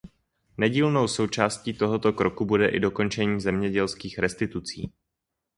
Nedílnou součástí tohoto kroku bude i dokončení zemědělských restitucí.